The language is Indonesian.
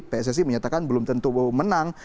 pssc menyatakan belum tentu menang